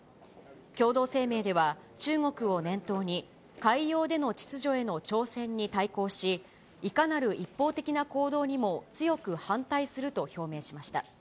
共同声明では、中国を念頭に、海洋での秩序への挑戦に対抗し、いかなる一方的な行動にも強く反対すると表明しました。